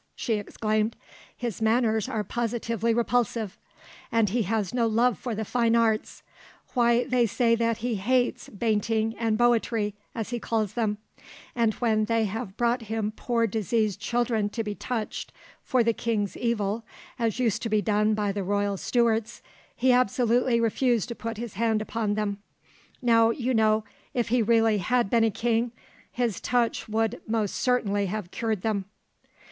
she exclaimed: "his manners are positively repulsive, and he has no love for the fine arts: why they say that he hates `bainting and boetry,' as he calls them; and when they have brought him poor diseased children to be touched for the king's evil, as used to be done by the royal Stuarts, he absolutely refused to put his hand upon them. Now, you know, if he really had been a king, his touch would most certainly have cured them."